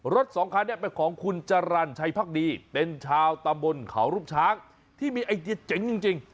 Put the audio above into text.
สองคันนี้เป็นของคุณจรรย์ชัยพักดีเป็นชาวตำบลเขารูปช้างที่มีไอเดียเจ๋งจริง